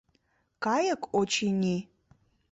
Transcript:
кайык, очыни?